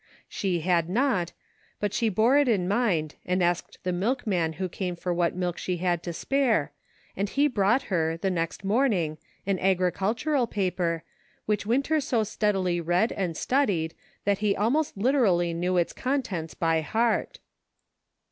She had not, but she bore it in mind and asked the milkman vho c?,me for what milk she had to spare, and he brought her, the next morning, an agricultural pape", which Winter so steadily read and studied that he almost literally knew its contents by heart.